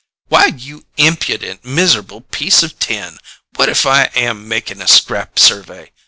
"Why you impudent, miserable piece of tin! What if I am making a scrap survey?